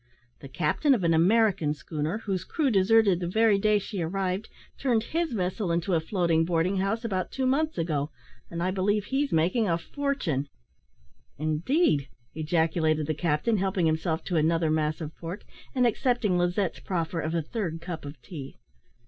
The captain of an American schooner, whose crew deserted the very day she arrived, turned his vessel into a floating boarding house, about two months ago, and I believe he's making a fortune." "Indeed," ejaculated the captain, helping himself to another mass of pork, and accepting Lizette's proffer of a third cup of tea.